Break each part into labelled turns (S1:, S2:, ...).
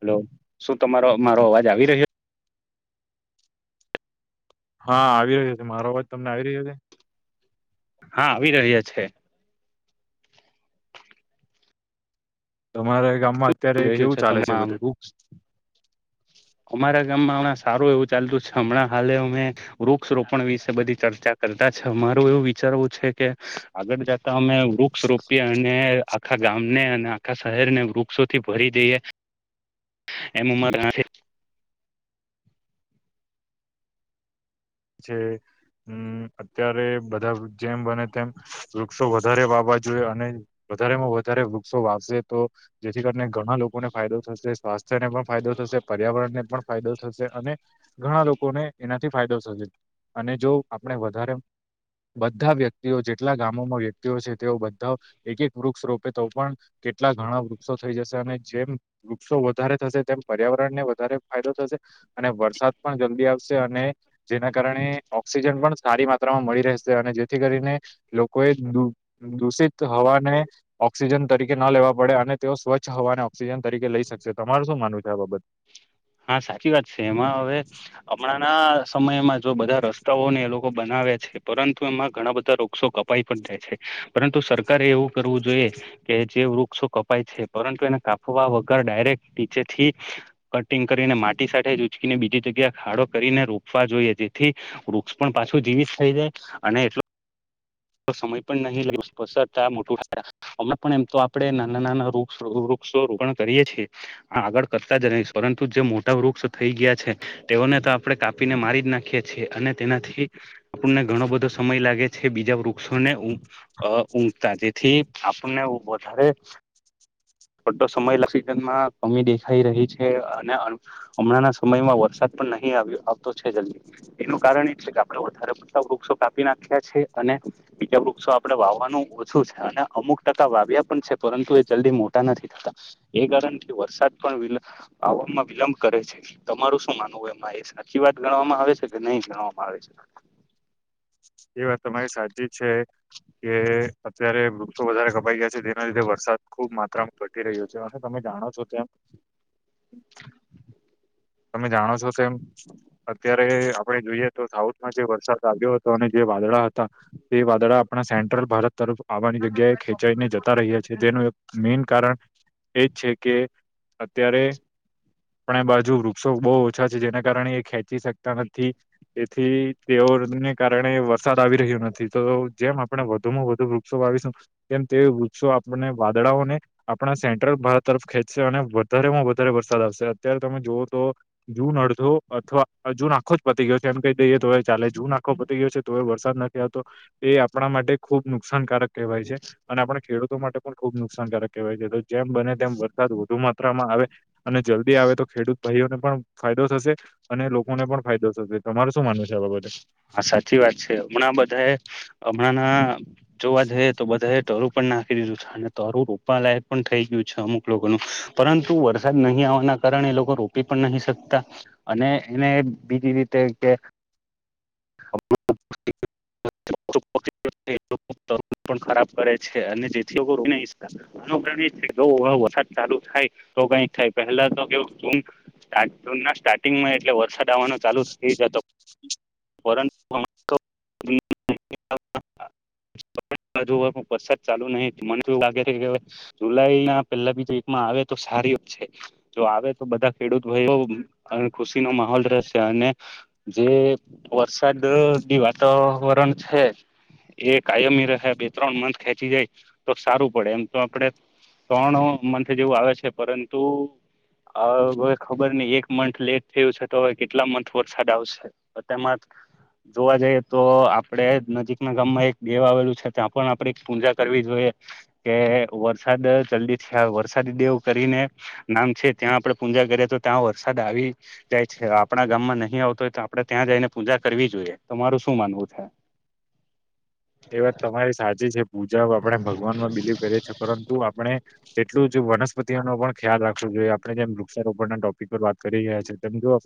S1: Hello શું તમારો મારો અવાજ આવી રહ્યો.
S2: હા આવી રહ્યો છે મારો અવાજ તમને આવી રહ્યો છે.
S1: હા આવી રહ્યા છે
S2: તમારા ગામમાં અત્યારે
S1: આવી રહ્યું
S2: કેવું ચાલે છે
S1: તમામ
S2: બધું
S1: વૃક્ષ અમારા ગામમાં હમણાં સારું એવું ચાલતું છે હમણાં હાલે અમે વૃક્ષ રોપણ વિશે બધી ચર્ચા કર અરું એવું વિચારવું છે કે આગળ જતા અમે વૃક્ષ રોપી અને આખા ગામ ને અને આખા શહેરને વૃક્ષ વૃક્ષોથી ભરી જઈએ એમ ઉમ
S2: હ [inaudible] હમ અત્યારે બધા જેમ બને તેમ વૃક્ષો વધારે વાવા જોઈએ અને વધારે માં વધારે વૃક્ષો વાપશે તો જેથી કરીને ઘણા લોકોને ફાયદો થશે સ્વાસ્થ્યને પણ ફાયદો થશે પર્યાવરણને પણ ફાયદો થશે અને ઘણા લોકોને એનાથી ફાયદો થશે અને જો આપણે વધારે બધા વ્યક્તિઓ જેટલા ગામોમાં વ છે તેઓ બધા એક એક વૃક્ષ રોપે તો પણ એટલા ઘણા વૃક્ષો થઈ જશે અને જેમ વૃક્ષો વધારે થશે તેમ પર્યાવરણને વધારે ફાયદો થશે અને વરસાદ પણ જલ્દી આવશે અને જેના કારણે ઓક્સિજન પણ સારી માત્રામાં મળી રહેશે અને જેથી કરીને લોકોએ દૂષિત હવાને ઓક્સિજન તરીકે ન લેવા પડે અને તેઓ સ્વચ્છ હવાને ઓક્સિજન તરીકે લઈ શકશે તમાર શું માનવું છે આ બાબત
S1: હા સાચી વાત છે એમાં હવે હમણા ના સમયમાં જો બધા રસ્તાઓને એ લોકો બનાવે છે પરંતુ એમાં ઘણા બધા રૃક્ષો કપાઈ પણ થે છે પરંતુ સરકારે એવું કરવું જોઈએ કે જે વૃક્ષો કપાય છે પરંતુ એને કાપવા વગર ડાયરેક્ટ નીચે થી કટિંગ કરીને માટી સાથે ઉચકીને બીજી જગ્યા ખાડો કરીને રોપવા જોઈએ જેથી વૃક્ષ પણ પાછું મિક્સ જ થઈ જાય અને એટલ સમય પણ નહી લેસ [unintelligible] મોટું અમે પણ એમ તો આપડે નાના નાના વૃક્ષો વૃક્ષો રોપણ કરીએ છીએ આ આગળ કરતા જ પરંતુ જે મોટા વૃક્ષ થઈ ગયા છે તેઓને તો આપણે કાપીને મારી જ નાખીએ છીએ અને તેનાથી આપણને ઘણો બધો સમય લાગે છે બીજા વૃક્ષોને ઊંઘતા જેથી ને વધારેટો સમય લનમાં કમી દેખાઈ રહી છે. અને હમણાં ના સમયમાં વરસાદ પણ નહીં આવ્યો આવતો છે જલ્દી એનું કારણ એજ છે કે આપડ વધારે પડતા વૃક્ષો કાપી નાખ્યા છે અને બીજા વૃક્ષો આપડે વાવવાનું ઓછું છે અને અમુક ટકા વાવ્યા પણ છે પરંતુ એ જલ્દી મોટા નથી થતા એ કારણથી વરસાદ પણ આવવામાં વિલંબ કરે છે તમારું શું માનવું એમાં એ સાચી વાત ગણવામાં આવે છે કે નહી ગણવામાં આવે છે.
S2: એ વાત તમારી સાચી છે કે અત્યારે વૃક્ષો વધારે કપાઈ ગયા છે જેના લીધે વરસાદ ખુબ માત્રામાં ઘટી રહ્યો છે અને તમે જાણો છો ત [inaudible]
S1: [inaudible]
S2: તમે જાણો છો કે અત્યારે આપડે જોઈએ તો સાઉથમાં જે વરસાદ આવ્યો હતો. અને જે વાદળા હતા તે વાદળા આપણા સેન્ટ્રલ ભારત તરફ આવવાની જગ્યાએ ખેંચાઈને જતા રહ્યા છે તેનું એક મેન કારણ એજ છે કે અત્યારે પણ એ બાજુ વૃક્ષો બહુ ઓછા છે જેના કારણે એ ખેંચી શકતા નથી તેથી તેઓ [unintelligible] કારણે વરસાદ આવી રહ્યો નથી તો જેમ આપણે વધુ માં વધુ વૃક્ષો વાવીશું તેમમ તે વૃક્ષો આપને વાદળાઓને આપણા સેન્ટ્રલ ભારત તરફ ખેંચશે અને વધારે માં વધારે વરસાદ આવશે અત્યારે તમે જો તો જૂન અડધો અથવા જૂન આખો જ પતી ગયો છે. એમ કહી દઈએ તો ચાલે જૂન આખો પતી ગયો છે તો એ વરસાદ નથી આવતો એ આપણા માટે ખુબ નુકસાનકારક કહેવાય છે અને આપણે ખેડૂત ખેડૂતો માટે પણ ખુબ નુકસાનકારક કહેવાય છે તો જેમ બને તેમ વરસાદ વધુ માત્રામાં આવે અને જલ્દી આવે તો ખેડૂત ભાઈઓને પણ ફાયદો થશે અને લોકોને પણ ફાયદો થશે. તમારું શું માનવું છે આ બાબતે?
S1: હા, સાચી વાત છે હમણાં બધાએ હમણાં ના જોવા જઈએ તો બધા એ તારું પણ નાખી દીધું અને તારું રોપવાલાયક પણ થઈ ગયું છે અમુક લોકો ન પરંતુ વરસાદ નહીં આવવાના કારણે એ લોકો રોપી પણ નહી શકતા અને એને બીજી રીતે કે
S2: [inaudible]
S1: [unintelligible] ખરાબ કરે છે અને જેથી વરસાદ ચાલુ થાય તો કઈક થાય પહેલા તો કેવુ હતું કે જૂન ના સ્ટારિંગ જુના સેટિંગમાં એટલે વરસાદ આવાનો ચાલુ થઈ જતો. પરંતુ હવે તો જુન મહી
S2: [inaudible]
S1: વરસાદ ચાલુ નહી મન તો એવું લાગે છે કે જુલાઈ ના પેલા બી એકમાં આવે તો સારી વાત. છે. જો આવે તો બધા ખેડૂત ભાઈ ખુશીનો માહોલ રહેશે અને જે વરસાદ વાતાવરણ છે. એ કાયમી રહ્યા બે ત્રણ મથ ખેંચી જાય તો સારું પડે એમ તો આપડે ત્રણ મંથ જેવું આવે છે પરંતુ હ હવે ખબર નહ એક મંથ લેટ થયું છે તો હવે કેટલા મંથ વરસાદ આવશે. તો તેમાં જ જોવા જઈએ તો આપડે નજીકના ગામમાં એક બેેવ આવેલું છે ત્યાં પણ આપડણે પૂજા કરવી જોઈએ. કે વરસાદ જલ્દીથી વરસાદી દેવું કરીને નામ છે ત્યાં આપડે જા તો ત્યાં વરસાદ આવી જાય છે. આપણા ગામમાં નહીં આવતો આપડે ત્યાં જઈને પૂજા કરવી જોઈએ. તમારું શું માનવું છે?
S2: એ વાત તમારી સાચી છે પૂજા આપણે ભગવાનમાં બિલીવ કરીએ છીએ પરંતુ આપણે તેટલું જ વનસ્પતિઓનો પણ ખ્યાલ રાખવો જોઈએ આપડણે જેમ વૃક્ષારોપણ ના ટોપિક પર વાત કરી રહ્યા છીએ તેમ જો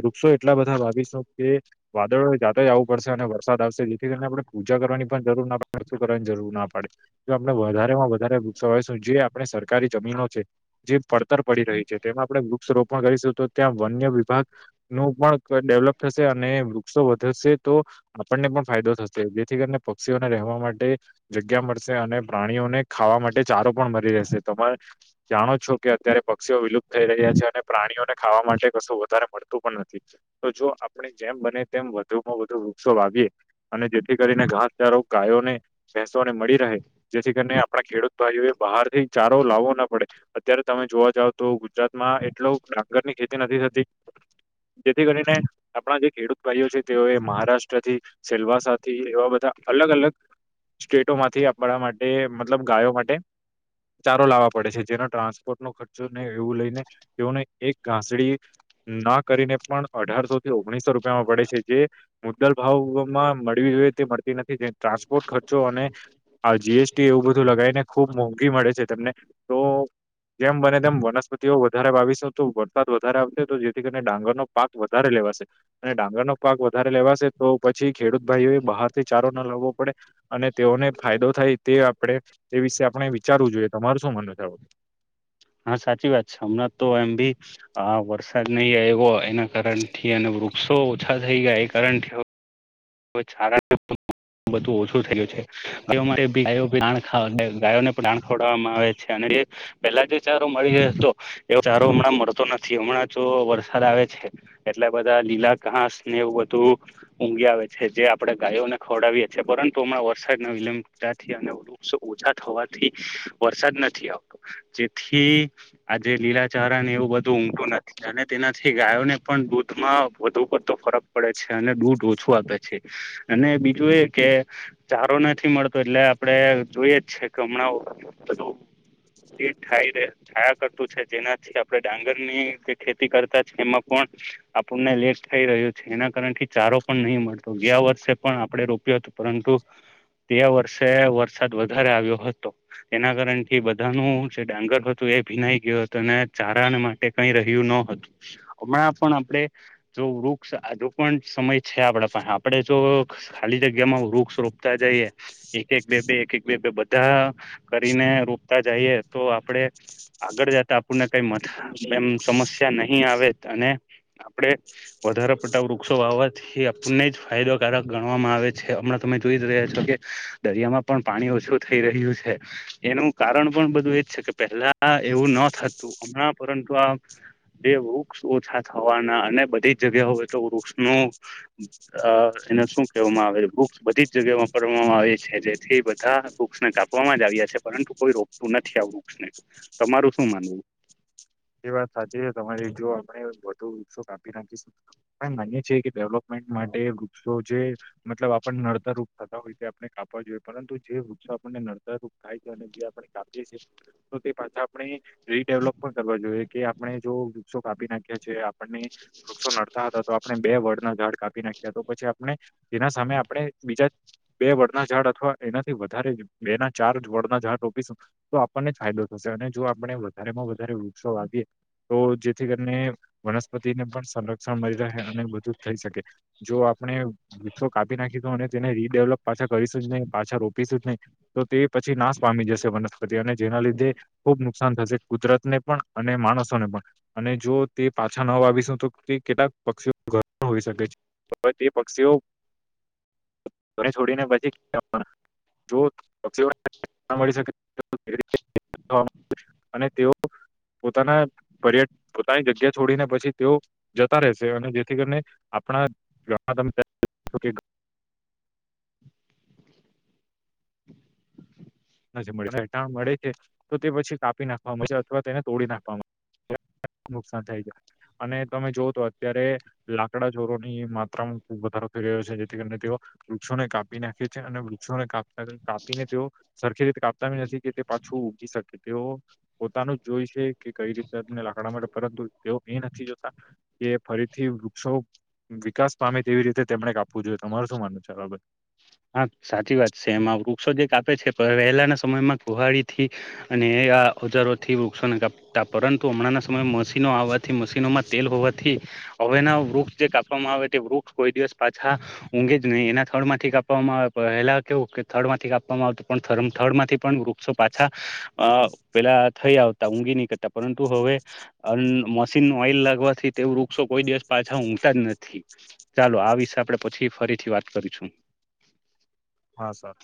S2: વૃક્ષો એટલા બધા ભાવીશું કે વાદળ જાતે જ આવું પડશે અને વરસાદ આવશે જેથી કરીને આપણે પૂજા કરવાની પણ જરૂર ના પડે ઓછું કરવાની જરૂર ના પડે તો આપણે વધારે માં વધારે વૃક્ષો હોય જે આપણે સર સરકારી જમીનો છે. જે પડતર પડી રહી છે તેમાં આપણે વૃક્ષ રોપણ કરીશું તો ત્યાં વન્ય વિભાગ નું પણ ડેવલપ થશે અને વૃક્ષો વધશે તો આપણને પણ ફાયદો થશે જેથી કરીને પક્ષીઓને રહેવા માટે જગ્યા મળશે અને પ્રાણીઓને ખાવા માટે ચારો પણ મળરી રહેશે. તમે જાણો છો કે અત્યારે પક્ષીઓ વિલુપ્ત થઈ રહ્યા છે, અને પ્રાણીઓને ખાવા માટે કશું વધારે મળ તું પણ નથી તો જો આપણે જેમ બને તેમ વધુમાં વધુ વૃક્ષો વાવીએ અને જેથી કરીને ઘાસચારો ગાયોને ભેંસોને મળી રહે જેથી કરીને આપણા ખેડૂત ભાઈઓ એ બહાર થી ચારો લાવવો ના પડે અત્યારે તમે જોવા જાવ તો ગુજરાતમાં એટલો ડાંગર ની ખેતી નથી થતી. જેથી કરીને આપણા જે ખેડૂત ભાઈઓ છે તેઓએ મહારાષ્ટ્રથી સેલવાસા થી એવા બધા અલગ અલગ સ્ટેટોમાંથી આપણા માટે મતલબ ગાયો માટે ચારો લાવવા પડે છે જેનો ટ્રાન્સપોર્ટ ન ખર્ચો નહીં એવું લઈને તેઓને એક ઘાસડી ના કરીને પણ અઢારસો થી ઓગણીસો રૂપિયામાં પડે છે જે મુદ્દલ ભાવમાં મળતી નથી ટ્રાન્સપોર્ટ ખર્ચો અને જી એસ ટી એવું બધું લગાવને ખુબ મોંઘી મળે છે તમને તો જેમ બને તેમ વનસ્પતિઓ વધારે વાવીશું તો વરસાદ વધારે આવશે તો જેથી કરીને ડાંગરનો પાક વધારે લેવાશે. અને ડાંગર નો પાક વધારે લેવાશે તો પછી ખેડૂત ભાઈ બહાર થી ચારો ના લાવવો પડે અને તેઓને ફાયદો થાય તે આપડે તે વિશે આપણે વિચા વિચારવું જોઈએ. તમાર શું માનવુ છે આવું?
S1: હા, સાચી વાત છે. હમણાં તો એમ ભી આ વરસાદ નહી એવો એના કારણ થી વૃક્ષો ઓછા થઈ ગયા એ કારણ થી બધું ઓછું થયું છે તે ગાયો ભી ઢાંણ [unintelligible] ગાયોને પણ ઢાણ ખવડવામાં આવે છે અને પેલા જે ચારો મળી રહ્યો હતો એવ ચારો હમણાં મળતો નથી હમણાં જો વરસાદ આવે છે. એટલા બધા લીલા ઘાસ ને એવું બધું ઊંઘી આવે છે જે આપણેે ગાયોને ખવડાવીએ છીએ પરંતુ હમણા વરદ વિલંબથી અને વૃક્ષ ઓછા થવાથી વરસાદ નથી આવતો જેથી આજે લીલા ચાર એવું બધું ઊંટું અને તેનાથી ગાયોને પણ દૂધમાં વધુ પડતો ફરક પડે છે અને દૂધ ઓછું આપે છે અને બીજું એ કે ચારો નથી મળતો એટલે આપડે જોઈએ જ છે કે હમણાં હ એ થાઈ છાયા કરતું છે જેનાથી આપણે ડાંગર ની જે ખેતી કરતા છે એમાં પણ આપણને લેટ થઈ રહ્યો છે એના કારણ થી ચારો પણ નહી મળતો તો ગયા વર્ષે પણ આપડે રોપ્યું હતું પરંતુ તે વર્ષે વરસાદ વધારે આવ્યો હતો તેના કારણથી બધાનું જે ડાંગર હતું ભીનાઈ ગયો હતો અને ચારા માટે કઈ રહ્યું ન હતું હમણાં પણ આપણે વૃક્ષ રોપણ સમય છે આપડા પા આપે જો ખાલી જગ્યામાં વૃક્ષ રોપતા જઈએ એક એક બે બે એક એક બે બે બધા કરીને રોપતા જઈએ તો આપણેે આગળ જતા આપણને કઈ મથ એમ સમસ્યા નહીં આવે અને આપડે વધારે પડતા વૃક્ષો વાવાથી એ આપણને જ ફાયદોકારક ગણવામાં આવે છે હમણાં તમે જોઈ રહ્યા છો કે દરિયામાં પણ પાણી ઓછું થઈ રહ્યું છે એનું કારણ પણ બધું એજ છે કે પેલા એવું ન થતું હમણાં પરંતુ આ એ વૃક્ષ ઓછા થવાના અને બધી જ જગ્યા હોય તો વૃક્ષ ન અ એને શું કહેવામાં આવે છે બુક્સ બધી જગ્યા વાપરવામાં આવે છે જેથી બધા બુક્સને કામ રોવામાં આવ્યા છે પરંતુ કોઈ રોકતું નથી આવ વૃક્ષને તમારું શું માનવું
S2: એ વાત સાચી છે તમારે જો આપણે વધુસો કાપી નાખીશું માનીીએ કે ડેવલપમેન્ટ માટે ગો જે મતલબ આપને નડત રૂપ હોય આપણે કાપવા જોઈએ પરંતુ જે વૃક્ષ આપને નડદર રૂપ થાય છે અને જે આપણે કાપીએ છીએ તો પાછ આપ રીડેવલપમેન્ટ કરવા જોઈએ કે આપણે જો વૃક્ષો કાપી નાખ્યા છે આપણને વૃક્ષો નડતા હતા તો આપણે બે વડના ઝાડ કાપી નાખ્યા તો પછી આપણે જેના સામે આપણે બીજા બે વડના ઝાડ અથવા એનાથી વધારે બે ના ચાર વડના ઝાડ રોપીશું તો આપણને ફાયદો થશે અને જો આપણે વધારે માં વધારે વૃક્ષો આપીએ તો જેથી કરીને વનસ્પતિને પણ સંરક્ષણ મળી રહે અને બધું થઈ શકે જો આપણે વૃક્ષો કાપ નાખી દ અને તેને રીડેવલપ પાછા કરીશું જ નહી પાછા રોપીશું જ નહીં તો તે પછી નાશ પામી જશે વનસ્પતિ અને જેના લીધે ખુબ નુકસાન થશે કુદરત ને પણ અને માણસોને પણ અને જો તે પાછા ન વાવીશું તો તે કેટલાક પક્ષીઓ ઘર હોય તે પક્ષીઓ છોડીને પછી ક તે ઓફ પોતાના પર્ય પોતાની જગ્યા છોડીને પછી તેઓ જતા રહેશે અને જેથી કરીને આપણા ગામમાં નથી મળટા મળે છે તો તે પછી કાપી નાખવામાં મળ છે અથવા તેને તોડી નાખવામાં નુકસાન થાય જાય અને તમે જોવ તો અત્યારે લાકડા ચોરોની માત્રામાં વધારો થઈ રહ્યો છે જેથી કરીને તેઓ વૃક્ષોને કાપી નાખે છે અને વૃક્ષોને કાપ કાપીને તેઓ સરખી રીતે કાપતાી નથી કે તે પાછું ઉઊગી શકે તેઓ પોતાનું જોઈ છે કે કઈ રીતે તમને લ પરંતુ તેઓ એ નથી જોતા કે ફરીથી વૃક્ષો વિકાસ પામે તેવી રીતે તેમણે કા આપવું જોઈએ તમાર શું માનવ છેરાબર
S1: હા સાચી વાત છે એમાં વૃક્ષો જે કાપે છે વહેલાના સમયમાં કુહાડી થી અને ઓજારોથી વૃક્ષોને કાપતા પરંતુ હમણાં સમયે મશીનો આવવાથી મશીનોમાં તેલ હોવાથી હવેના વૃક્ષ જે કાપવામાં આવે તે વૃક્ષ કોઈ દિવસ પાછા ઊઘે જ નહીં એના થળ માંથી કાપ આવે પહેલા કેવું થર્ડ માંથી કાવામાં આવતું પણ થર્ડ માંથી પણ શું પાછા અ પેલા થઈ આવતા ઊંગી નીકળતા પરંતુ હવે મશીન ઓઈલ લાગવાથી તે વૃક્ષો કોઈ દિવસ પાછા ઊગતાં જ નથી ચાલો આ વિશે આપડે પછી ફરીથી વાત કરીશું
S2: હા સર